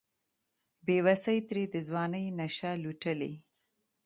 بیوسۍ ترې د ځوانۍ نشه لوټلې